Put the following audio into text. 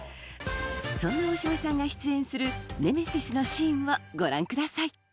そんな大島さんが出演する『ネメシス』のシーンをご覧ください